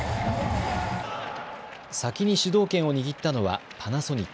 先に主導権を握ったのはパナソニック。